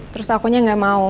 terus akunya nggak mau